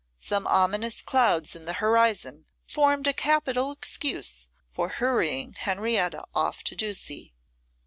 Some ominous clouds in the horizon formed a capital excuse for hurrying Henrietta off to Ducie.